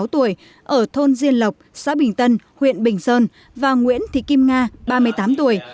sáu mươi tuổi ở thôn diên lộc xã bình tân huyện bình sơn và nguyễn thị kim nga ba mươi tám tuổi